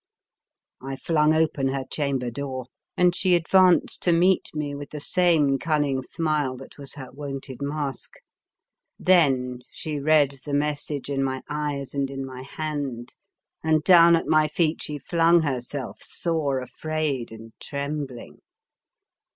I flung open her chamber door, and she advanced to meet me with the same cunning smile that was her wonted mask. Then she read the message in my eyes and in my hand, and down at my feet she flung herself, sore afraid and trembling.